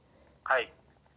はい。